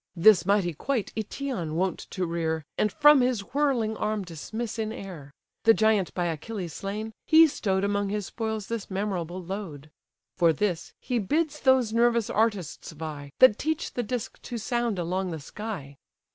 This mighty quoit Aëtion wont to rear, And from his whirling arm dismiss in air; The giant by Achilles slain, he stow'd Among his spoils this memorable load. For this, he bids those nervous artists vie, That teach the disk to sound along the sky.